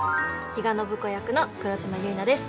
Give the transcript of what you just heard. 比嘉暢子役の黒島結菜です。